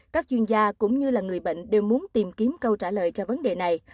các chuyên gia cũng như là người bệnh đều muốn tìm kiếm câu trả lời cho vấn đề này